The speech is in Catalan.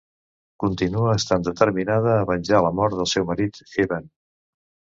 Continua estant determinada a venjar la mort del seu marit, Eben.